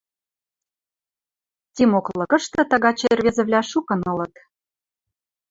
Тимок лыкышты тагачы ӹӹрвезӹвлӓ шукын ылыт.